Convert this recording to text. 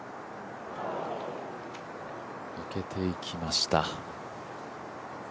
抜けていきました。